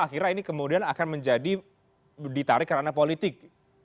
akhirnya ini kemudian akan menjadi ditarik kerana politik